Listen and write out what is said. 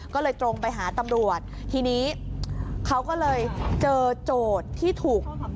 ก็เลยตรงไปหาตำรวจทีนี้เขาก็เลยเจอโจทย์ที่ถูก